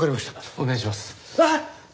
お願いします。